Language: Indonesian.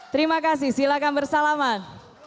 terima kasih silakan bersalaman